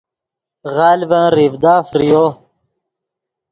غلڤن ریڤدا فریو